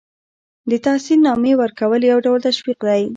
د تحسین نامې ورکول یو ډول تشویق دی.